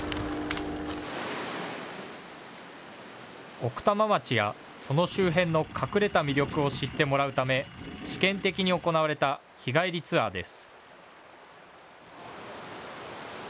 奥多摩町やその周辺の隠れた魅力を知ってもらうため試験的に行われた日帰りツアーです。